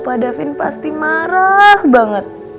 pak davin pasti marah banget